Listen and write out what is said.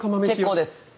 結構です。